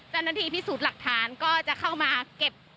เจ้าหน้าที่พิสูจน์หลักฐานก็จะเข้ามาเก็บ